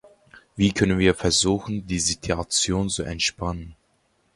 Wie können wir versuchen, die Situation zu entspannen?